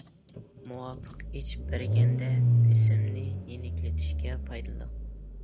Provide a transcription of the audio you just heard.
مۇۋاپىق ئىچىپ بەرگەندە بېسىمنى يېنىكلىتىشكە پايدىلىق.